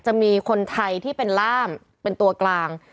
จะมีคนไทยที่เป็นล่ามเป็นตัวกลาง